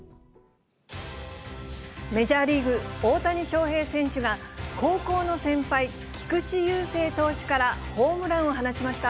メジャーリーグ、大谷翔平選手が、高校の先輩、菊池雄星投手からホームランを放ちました。